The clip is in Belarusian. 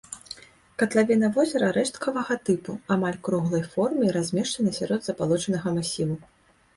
Катлавіна возера рэшткавага тыпу, амаль круглай формы і размешчана сярод забалочанага масіву.